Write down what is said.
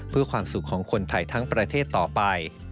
เพื่อความสุขของคนไทยทั้งประเทศต่อไป